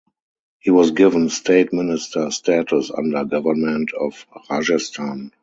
He was given State Minister Status under Government of Rajasthan.